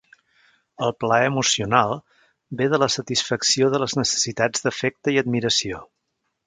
El plaer emocional ve de la satisfacció de les necessitats d'afecte i admiració.